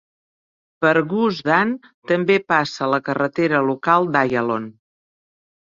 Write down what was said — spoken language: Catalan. Per Gush Dan també passa la carretera local d'Ayalon.